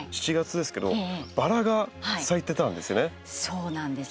そうなんです。